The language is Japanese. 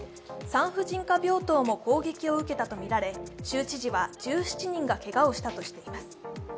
産婦人科病棟も攻撃を受けたとみられ州知事は１７人がけがをしたとしています。